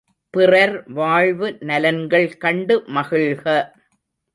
பிறர் வாழ்வு நலன்கள் கண்டு மகிழ்க!